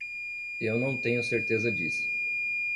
Eu não tenho certeza disso.